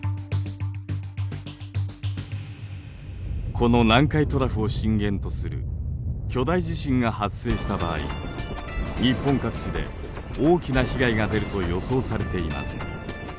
この南海トラフを震源とする巨大地震が発生した場合日本各地で大きな被害が出ると予想されています。